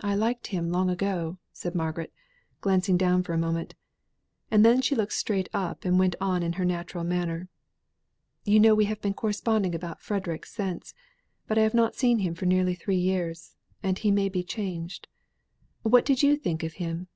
"I liked him long ago," said Margaret, glancing down for a moment. And then she looked straight up and went on in her natural manner. "You know we have been corresponding about Frederick since; but I have not seen him for nearly three years, and he may be changed. What did you think of him?"